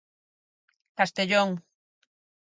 Castellón.